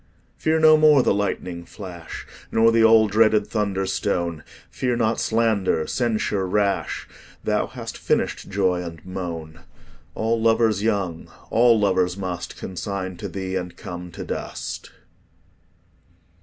Fear no more the lightning flash Nor the all dreaded thunder stone; Fear not slander, censure rash; Thou hast finished joy and moan: All lovers young, all lovers must Consign to thee, and come to dust.